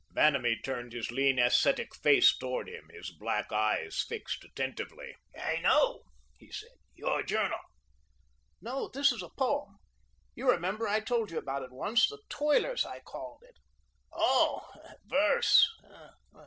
Vanamee turned his lean ascetic face toward him, his black eyes fixed attentively. "I know," he said, "your journal." "No, this is a poem. You remember, I told you about it once. 'The Toilers,' I called it." "Oh, verse!